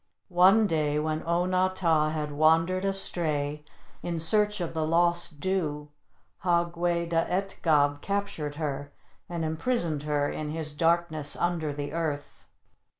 One day when O na tah had wandered astray in search of the lost dew, Hah gweh da et gab captured her, and imprisoned her in his darkness under the earth.